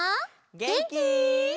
げんき？